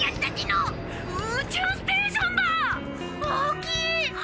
大きい！